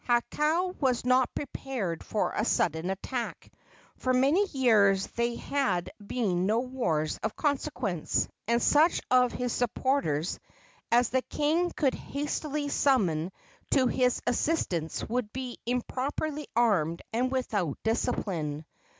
Hakau was not prepared for a sudden attack. For many years there had been no wars of consequence, and such of his supporters as the king could hastily summon to his assistance would be improperly armed and without discipline.